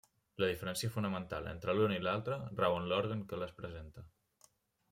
La diferència fonamental entre l'una i l'altra rau en l'òrgan que les presenta.